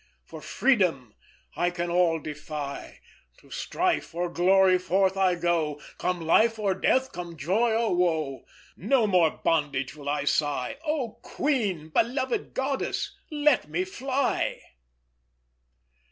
For freedom I can all defy, To strife or glory forth I go, Come life or death, come joy or woe. No more in bondage will I sigh! Oh queen, beloved goddess, let me fly!"